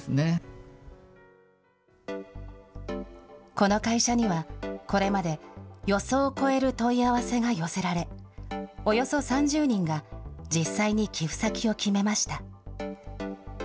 この会社には、これまで予想を超える問い合わせが寄せられ、およそ３０人が、実際に寄付先を決めました。